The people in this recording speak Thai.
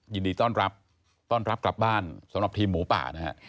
ยินดีต้อนรับกลับบ้านสำหรับทีมหมูป่านะครับ